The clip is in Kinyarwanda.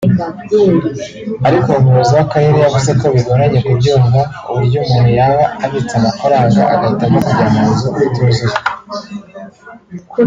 ariko Umuyobozi w’akarere yavuze ko bigoranye kubyumva uburyo umuntu yaba abitse amafaranga agahitamo kujya mu nzu ituzuye